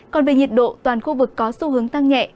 còn về nhiệt độ toàn khu vực có xu hướng tăng nhẹ